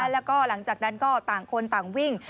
แล้วก็หลังจากนั้นก็ต่างคนต่างวิ่ง